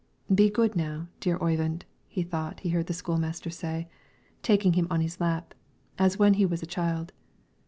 "Be good now, dear Oyvind," he thought he heard the school master say, taking him on his lap, as when he was a child.